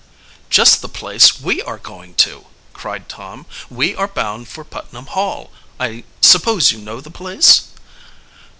"Just the place we are going to!" cried Tom. "We are bound for Putnam Hall. I suppose you know the place?"